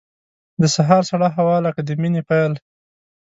د سهار سړه هوا لکه د مینې پیل.